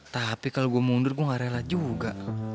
tapi kalau gue mundur gue gak rela juga